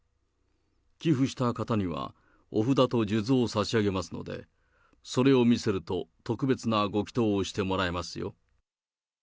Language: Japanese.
寄付した方には、お札と数珠を差し上げますので、それを見せると、特別なご祈とうをしてもらえますよ。